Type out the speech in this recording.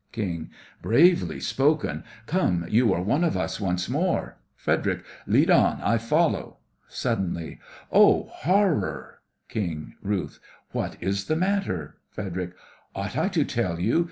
KING: Bravely spoken! Come, you are one of us once more. FREDERIC: Lead on, I follow. (Suddenly) Oh, horror! KING/RUTH: What is the matter? FREDERIC: Ought I to tell you?